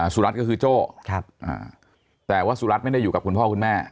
สุรัตน์ก็คือโจ้แต่ว่าสุรัตน์ไม่ได้อยู่กับคุณพ่อคุณแม่